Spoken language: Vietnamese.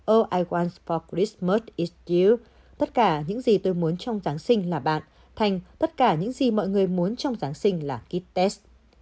oh i want for christmas is due tất cả những gì tôi muốn trong giáng sinh là bạn thành tất cả những gì mọi người muốn trong giáng sinh là ký test